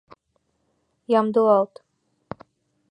Ямдылалт.